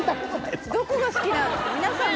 皆さんどこが好きなの？